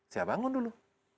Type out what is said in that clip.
saya bangun dulu